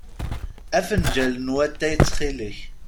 Afenǧal n watay, ttxil-k.